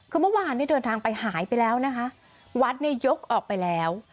คือเมื่อวานเนี่ยเดินทางไปหายไปแล้วนะคะวัดเนี่ยยกออกไปแล้ว